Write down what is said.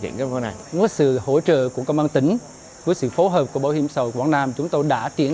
hành với sự hỗ trợ của công an tỉnh với sự phối hợp của bảo hiểm sầu quảng nam chúng tôi đã triển